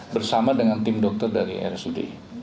bersama dengan tim dokter dari rsud